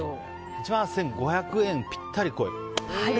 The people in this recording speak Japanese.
１万８５００円ぴったりこい！